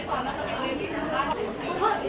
โปรดติดตามต่อไป